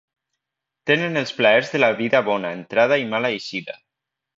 Tenen els plaers de la vida bona entrada i mala eixida.